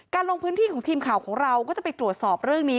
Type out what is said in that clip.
ลงพื้นที่ของทีมข่าวของเราก็จะไปตรวจสอบเรื่องนี้